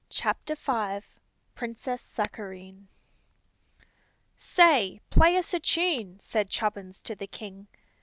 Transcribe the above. Chapter V Princess Sakareen "SAY, play us a tune," said Chubbins to the king.